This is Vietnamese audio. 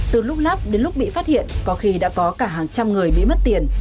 từ lúc lắp đến lúc bị phát hiện có khi đã có cả hàng trăm người bị mất tiền